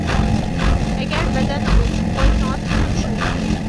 ئەگەر بەدەننى ئوچۇق قويسىڭىز تېخىمۇ شۇنداق.